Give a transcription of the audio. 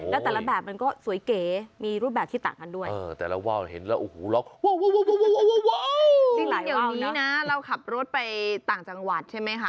แล้วแต่ละแบบมันก็สวยเก๋มีรูปแบบที่ต่างกันด้วย